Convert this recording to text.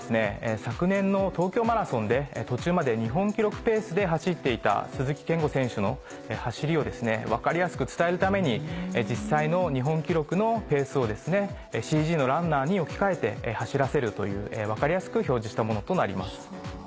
昨年の東京マラソンで途中まで日本記録ペースで走っていた鈴木健吾選手の走りを分かりやすく伝えるために実際の日本記録のペースをＣＧのランナーに置き換えて走らせるという分かりやすく表示したものとなります。